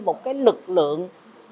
một cái lực lượng